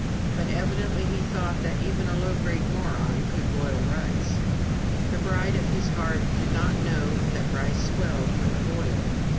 But evidently he thought even a low grade moron could boil rice. The bride of his heart did not know that rice swelled when it boiled.